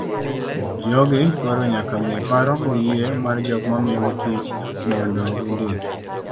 jogi koro nyaka ng'e paro gi yie mar jok momiyogi tich mondo gindik